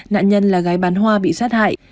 nạn nhân là gái bán hoa bị sát hại